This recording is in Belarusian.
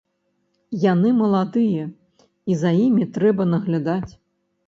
Яны маладыя, і за імі трэба наглядаць.